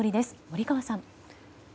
森川さん。